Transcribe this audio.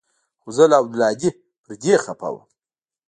خو زه له عبدالهادي پر دې خپه وم.